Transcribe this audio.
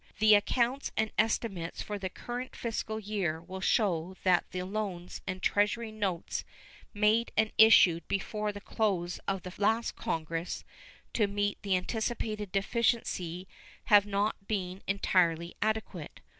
The accounts and estimates for the current fiscal year will show that the loans and Treasury notes made and issued before the close of the last Congress to meet the anticipated deficiency have not been entirely adequate.